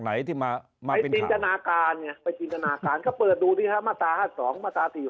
ไหนที่มามาเป็นจินตนาการจินตนาการก็เปิดดูที่มาตรา๒มาตรา